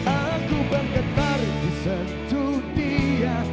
aku berkenan sejudia